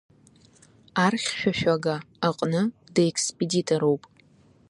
Архьшәашәага аҟны декспедиторуп.